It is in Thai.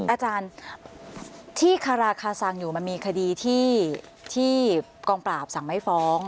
อาจารย์ที่คาราคาซังอยู่มันมีคดีที่กองปราบสั่งไม่ฟ้อง